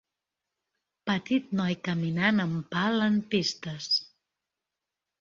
petit noi caminant amb pal en pistes